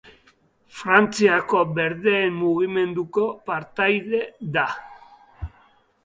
Frantziako Berdeen mugimenduko partaide da.